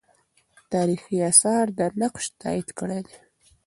تاریخي آثار دا نقش تایید کړی دی.